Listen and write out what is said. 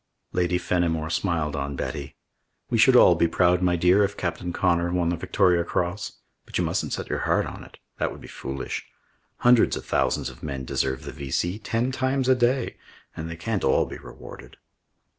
Lady Fenimore smiled on Betty. "We should all be proud, my dear, if Captain Connor won the Victoria Cross. But you mustn't set your heart on it. That would be foolish. Hundreds of thousands of men deserve the V.C. ten times a day, and they can't all be rewarded."